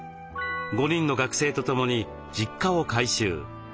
５人の学生と共に実家を改修。